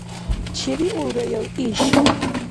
Чебиулраяв иш?